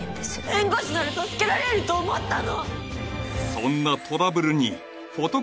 弁護士なら助けられると思ったのそんなトラブルにフォト